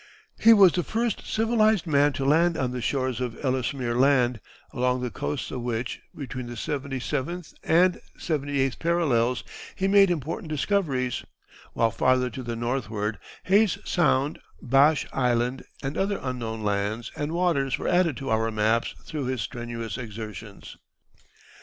He was the first civilized man to land on the shores of Ellesmere Land, along the coasts of which, between the seventy seventh and seventy eighth parallels, he made important discoveries; while farther to the northward, Hayes Sound, Bache Island, and other unknown lands and waters were added to our maps through his strenuous exertions.